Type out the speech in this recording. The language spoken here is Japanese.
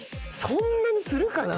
そんなにするかな？